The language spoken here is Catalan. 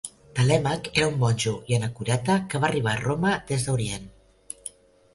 Telèmac era un monjo i anacoreta que va arribar a Roma des d'Orient.